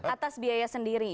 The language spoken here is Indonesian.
atas biaya sendiri